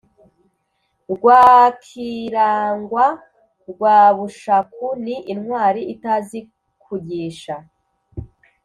Rwakirangwa rwa Bushaku ni Intwari-itazi-kugîsha